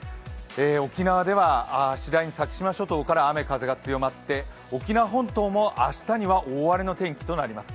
沖縄では次第に先島諸島から雨・風が強まって、沖縄本島も明日には大荒れの天気となります。